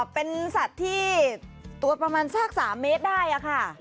เป็นสัตว์ที่ตัวประมาณสัก๓เมตรได้ค่ะ